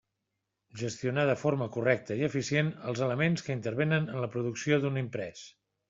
Gestionar de forma correcta i eficient els elements que intervenen en la producció d'un imprés.